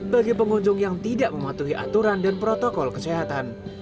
bagi pengunjung yang tidak mematuhi aturan dan protokol kesehatan